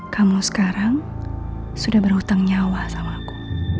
kamu sekarang sudah berhutang nyawa sama aku